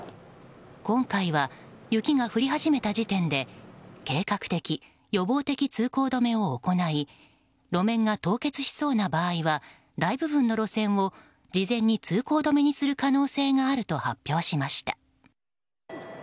今回は雪が降り始めた時点で計画的・予防的通行止めを行い路面が凍結しそうな場合は大部分の路線を事前に通行止めにする可能性があると発表しました。